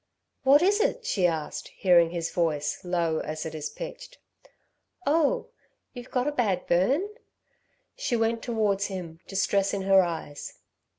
"What is it?" she asked, hearing his voice, low as it as pitched. "Oh, you've got a bad burn?" She went towards him, distress in her eyes.